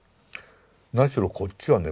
何しろこっちはね